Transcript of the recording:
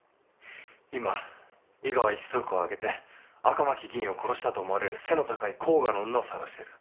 今伊賀は一族を挙げて赤巻議員を殺したと思われる背の高い甲賀の女を捜してる。